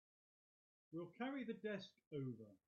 We'll carry the desk over.